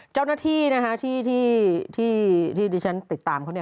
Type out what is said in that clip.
เจ้าหน้าที่ที่ดิฉันติดตามเขา